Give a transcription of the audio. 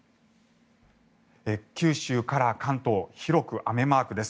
九州から関東広く雨マークです。